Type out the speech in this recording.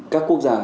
các quốc gia